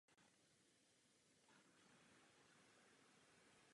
Vystudoval práva na univerzitě.